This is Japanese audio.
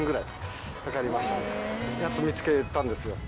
やっと見つけれたんですよ。